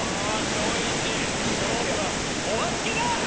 勝負はお預けだ！